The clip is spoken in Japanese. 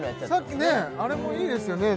さっきねあれもいいですよね